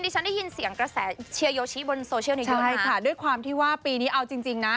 ใช่ค่ะด้วยความที่ว่าปีนี้เอาจริงนะ